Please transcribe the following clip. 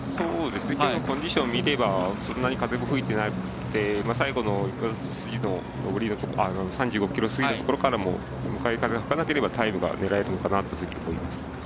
今日のコンディションを見ればそんなに風も吹いていなくて最後の、今里筋の３５ｋｍ過ぎのところからも向かい風が吹かなければタイム狙えるのかなと思います。